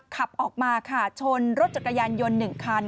ขับออกมาค่ะชนรถจักรยานยนต์๑คัน